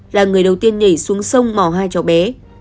là người đầu tiên nhảy xuống sông mò hai cháu bé